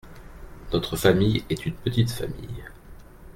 Notre famille est une petite famille.